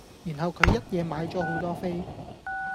然後佢一野買左好多飛